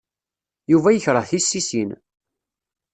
Yuba yekṛeh tissisin.